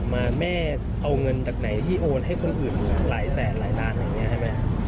แม่เอาเงินจากไหนที่โอนให้คนอื่นหลายแสนหลายล้านอย่างนี้ใช่ไหม